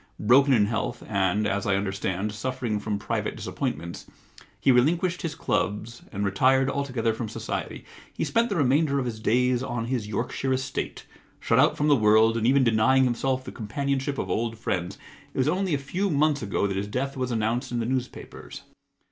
Broken in health and, as I understand, suffering from private disappointments, he relinquished his clubs and retired altogether from society. He spent the remainder of his days on his Yorkshire estate, shut out from the world and even denying himself the companionship of old friends. It was only a few months ago that his death was announced in the newspapers.